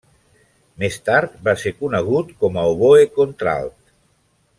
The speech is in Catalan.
Més tard va ser conegut com a oboè contralt.